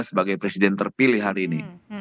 sebagai presiden terpilih hari ini